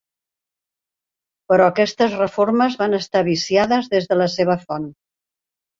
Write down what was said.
Però aquestes reformes van estar viciades des de la seva font.